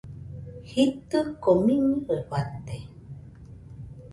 Jitɨko miñɨe fate